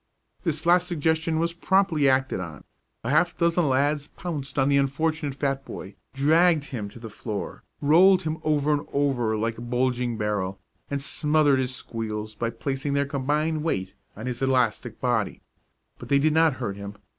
This last suggestion was promptly acted on; a half dozen lads pounced on the unfortunate fat boy, dragged him to the floor, rolled him over and over like a bulging barrel, and smothered his squeals by placing their combined weight on his elastic body. But they did not hurt him.